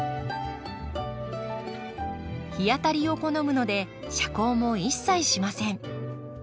日当たりを好むので遮光も一切しません。